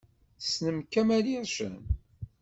Tessnem Kamel Ircen?